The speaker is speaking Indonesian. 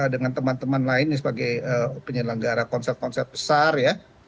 dengan teman teman lainnya sebagai penyelenggara konser konser besar ya